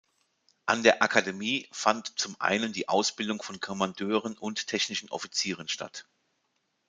An der Akademie fand zum einen die Ausbildung von Kommandeuren und technischen Offizieren statt.